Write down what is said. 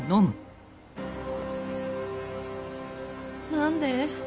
何で？